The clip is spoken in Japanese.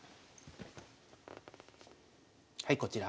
はいこちら。